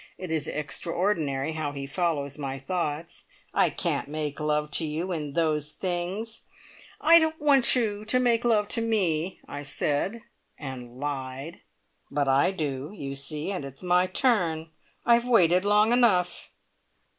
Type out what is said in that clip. (It is extraordinary how he follows my thoughts!) "I can't make love to you in those things." "I don't want you to make love to me!" I said and lied! "But I do, you see, and it's my turn! I've waited long enough."